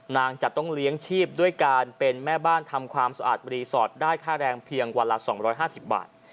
จะต้องเลี้ยงชีพด้วยการเป็นแม่บ้านทำความสะอาดรีสอร์ทได้ค่าแรงเพียงวันละ๒๕๐บาท